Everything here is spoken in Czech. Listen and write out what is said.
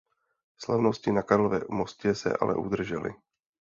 Slavnosti na Karlově mostě se ale udržely.